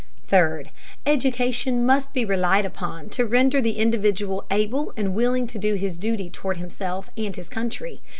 Third, education must be relied upon to render the individual able and willing to do his duty toward himself and his country.